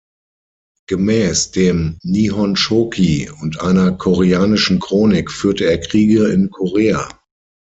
Gemäß dem "Nihonshoki" und einer koreanischen Chronik führte er Kriege in Korea.